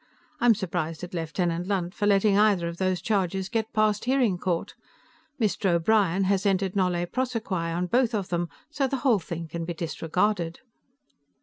I'm surprised at Lieutenant Lunt for letting either of those charges get past hearing court. Mr. O'Brien has entered nolle prosequi on both of them, so the whole thing can be disregarded."